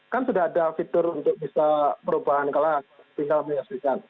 kan sudah ada fitur untuk bisa perubahan kalah tinggal menyaksikan